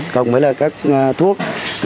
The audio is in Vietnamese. cộng với các thuốc